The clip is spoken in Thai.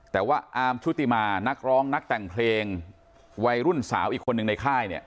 แต่ว่าอาร์มชุติมานักร้องนักแต่งเพลงวัยรุ่นสาวอีกคนหนึ่งในค่ายเนี่ย